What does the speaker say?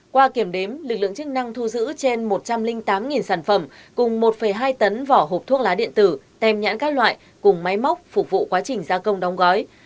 qua kiểm đếm lực lượng chức năng thu giữ trên một trăm linh tám sản phẩm cùng một hai tấn vỏ hộp thuốc lá điện tử tem nhãn các loại cùng máy móc phục vụ quá trình gia công đóng gói